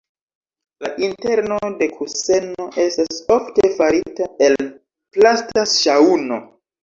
La interno de kuseno estas ofte farita el plasta ŝaŭmo.